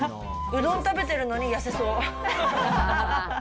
うどん食べてるのに痩せそう。